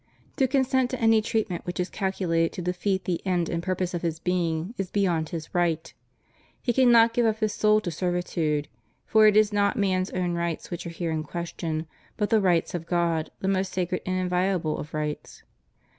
To consent to any treatment which is calculated to defeat the end and purpose of his being is beyond his right; he cannot give up his soul to servitude ; for it is not man's own rights which are here in question, but the rights of God, the most sacred and inviolable of rights.